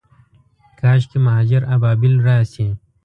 کاشکي، مهاجر ابابیل راشي